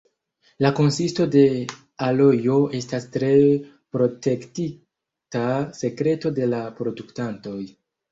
La konsisto de alojo estas tre protektita sekreto de la produktantoj.